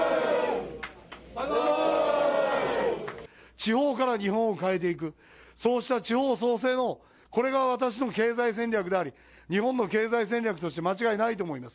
地方から日本を変えていく、そうした地方創生の、これが私の経済戦略であり、日本の経済戦略として間違いないと思います。